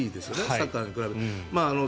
サッカーに比べて。